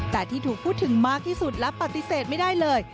แต่ที่ถูกพูดถึงมากที่สุดและปฏิเสธไม่ได้เลย